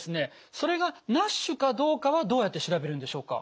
それがＮＡＳＨかどうかはどうやって調べるんでしょうか？